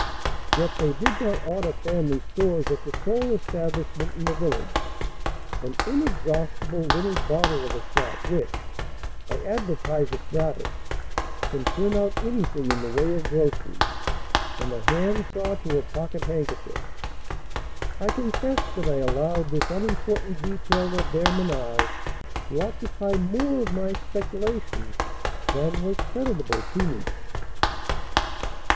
Yet they did not order family stores at the sole establishment in the village an inexhaustible little bottle of a shop which, I advertise it gratis, can turn out anything in the way of groceries, from a hand saw to a pocket handkerchief. I confess that I allowed this unimportant detail of their ménage to occupy more of my speculation than was creditable to me.